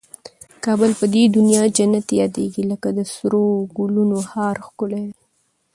کابل په دي دونیا جنت یادېږي لکه د سرو ګلنو هار ښکلی دی